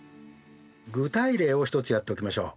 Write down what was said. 具体例を一つやっておきましょう。